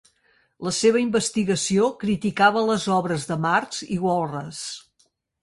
La seva investigació criticava les obres de Marx i Walras.